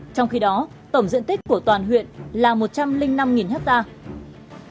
trong khi đó tổng diện tích của toàn huyện là một trăm linh năm hectare